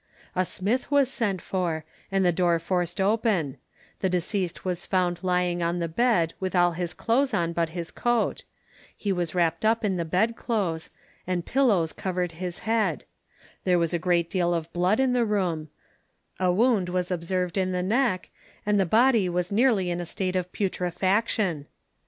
A smith was sent for, and the door forced open: the deceased was found lying on the bed with all his clothes on but his coat; he was wrapped up in the bedclothes, and pillows covered his head: there was a great deal of blood in the room, a wound was observed in the neck, and the body was nearly in a state of putrefaction.